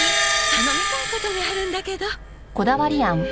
頼みたいことがあるんだけど。